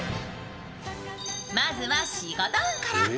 まずは仕事運から。